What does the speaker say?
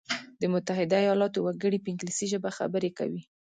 د متحده ایلاتو وګړي په انګلیسي ژبه خبري کوي.